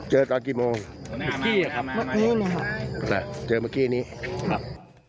เหมือนเมื่อกี้นี้ครับ